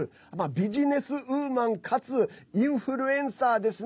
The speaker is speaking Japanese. ビジネスウーマンかつインフルエンサーですね。